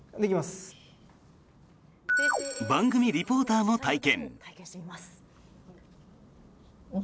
番組リポーターも体験。